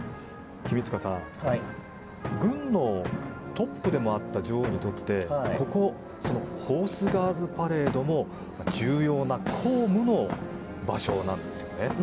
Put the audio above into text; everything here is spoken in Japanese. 君塚さん、軍のトップでもあった女王にとってここホースガーズパレードも重要な公務の場所なんですね。